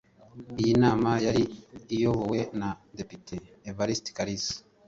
Iyi nama yari iyobowe na Depite Evariste Kalisa